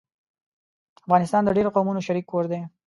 افغانستان د ډېرو قومونو شريک کور دی